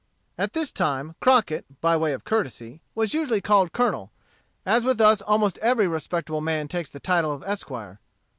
At this time, Crockett, by way of courtesy, was usually called colonel, as with us almost every respectable man takes the title of esquire.